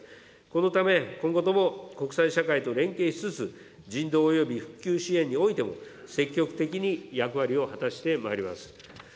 このため、今後とも国際社会と連携しつつ、人道および復旧支援においても積極的に役割を果たしてまいります。